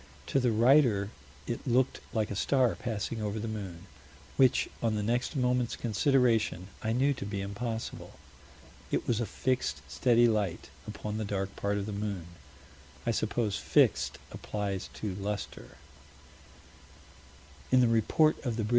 To the writer, it looked like a star passing over the moon "which, on the next moment's consideration I knew to be impossible." "It was a fixed, steady light upon the dark part of the moon." I suppose "fixed" applies to luster. In the _Report of the Brit.